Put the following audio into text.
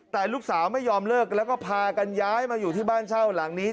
แต่ลูกสาวไม่ยอมเลิกแล้วก็พากันย้ายมาอยู่ที่บ้านเช่าหลังนี้